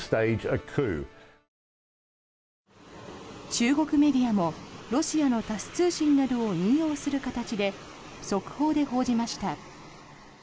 中国メディアもロシアのタス通信などを引用する形で速報で報じました。